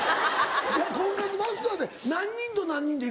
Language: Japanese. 婚活バスツアーって何人と何人で行くの？